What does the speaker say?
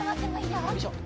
よいしょ！